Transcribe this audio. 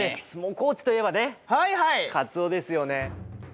高知といえば、かつおですよね。